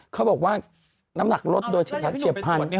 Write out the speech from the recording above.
เขาบอกว่าน้ำหนักลดโดยเฉียบพัน